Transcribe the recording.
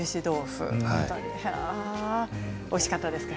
おいしかったですか？